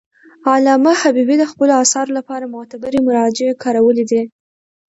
علامه حبیبي د خپلو اثارو لپاره معتبري مراجع کارولي دي.